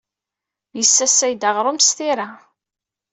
Yessasay-d aɣrum s tira.